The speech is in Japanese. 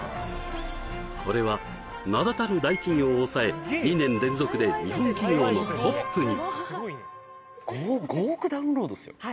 これは名だたる大企業をおさえ２年連続で日本企業のトップにはい５億ダウンロード